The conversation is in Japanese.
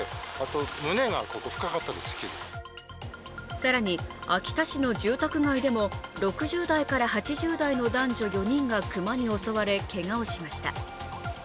更に、秋田市の住宅街でも６０代から８０代の男女４人が熊に襲われけがをしました。